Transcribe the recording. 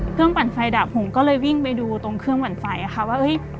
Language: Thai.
เครื่องปั่นไฟดับผมก็เลยวิ่งไปดูตรงเครื่องปั่นไฟค่ะว่า